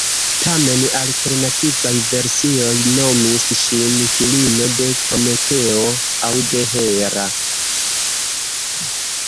Tamen, alternativaj versioj nomis ŝin filino de Prometeo aŭ de Hera.